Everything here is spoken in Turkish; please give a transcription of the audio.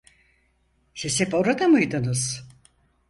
Siz hep orada mıydınız?